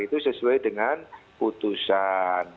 itu sesuai dengan putusan